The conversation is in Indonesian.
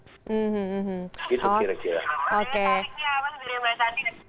apa yang palingnya apa sendiri mbak santi